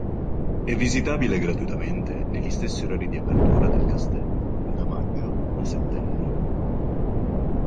È visitabile gratuitamente negli stessi orari di apertura del castello, da maggio a settembre.